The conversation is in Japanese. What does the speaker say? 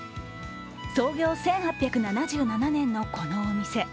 創業１８７７年のこのお店。